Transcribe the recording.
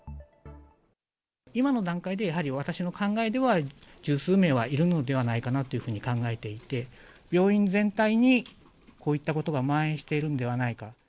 今の段階でやはり私の考えでは、十数名はいるのではないかなと考えていて、病院全体にこういったことがまん延しているんではないか。